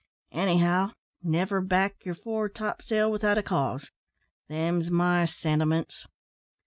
Anyhow, never back yer fore topsail without a cause them's my sentiments."